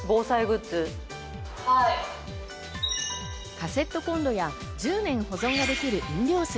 カセットコンロや１０年保存ができる飲料水。